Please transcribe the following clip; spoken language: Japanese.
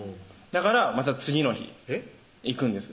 だから次の日行くんです